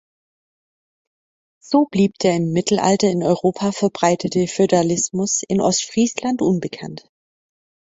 So blieb der im Mittelalter in Europa verbreitete Feudalismus in Ostfriesland unbekannt.